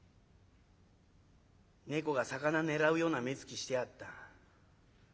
猫が魚狙うような目つきしてやがった。